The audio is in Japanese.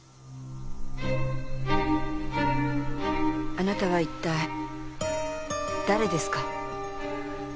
あなたは一体誰ですか？